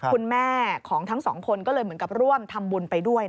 คุณแม่ของทั้งสองคนก็เลยเหมือนกับร่วมทำบุญไปด้วย